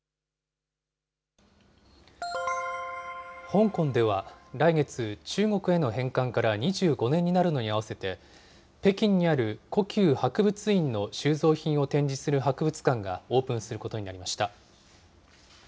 香港では、来月、中国への返還から２５年になるのに合わせて、北京にある故宮博物院の収蔵品を展示する博物館がオープンすることになりました。